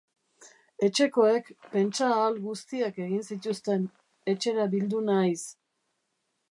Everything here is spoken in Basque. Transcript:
Etxekoek pentsa ahal guztiak egin zituzten etxera bildu nahiz.